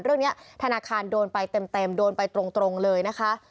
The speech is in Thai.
ธนาคารโดนไปเต็มโดนไปตรงเลยนะคะ